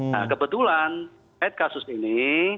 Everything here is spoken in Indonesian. nah kebetulan kasus ini